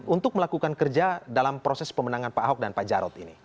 untuk melakukan kerja dalam proses pemenangan pak ahok dan pak jarod ini